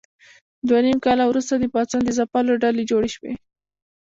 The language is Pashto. دوه نیم کاله وروسته د پاڅون د ځپلو ډلې جوړې شوې.